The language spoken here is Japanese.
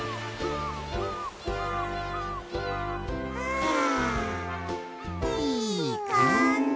はあいいかんじ。